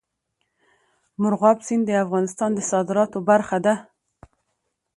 مورغاب سیند د افغانستان د صادراتو برخه ده.